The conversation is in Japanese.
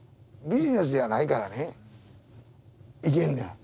ビジネスじゃないからねいけんのや。